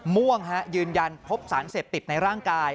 ม่วงฮะยืนยันพบสารเสพติดในร่างกาย